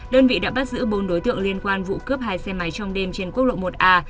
đơn vị đã bắt giữ bốn đối tượng liên quan vụ cướp hai xe máy trong đêm trên quốc lộ một a